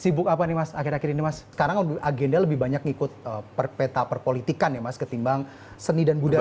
sibuk apa nih mas akhir akhir ini mas sekarang agenda lebih banyak ngikut peta perpolitikan ya mas ketimbang seni dan budaya